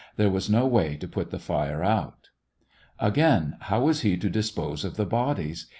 There was no way to put the fire out. Again, how was he to dispose of the bodies?